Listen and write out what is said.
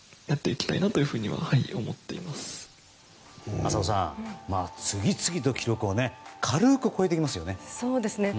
浅尾さん、次々と記録を軽く超えていきますよね。